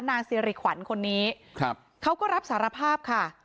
นางสิริขวัญคนนี้ครับเขาก็รับสารภาพค่ะ